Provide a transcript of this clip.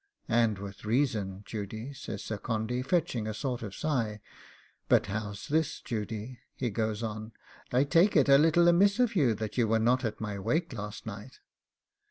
'And with reason, Judy,' says Sir Condy, fetching a sort of a sigh. 'But how's this, Judy?' he goes on. 'I take it a little amiss of you that you were not at my wake last night.